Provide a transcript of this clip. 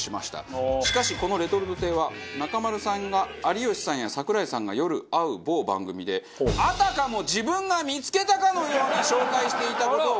しかしこのレトルト亭は中丸さんが有吉さんや櫻井さんが夜会う某番組であたかも自分が見付けたかのように紹介していた事を。